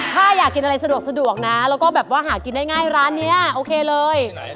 ถ้าอยากกินอะไรสะดวกนะแล้วก็แบบว่าหากินได้ง่ายร้านนี้โอเคเลย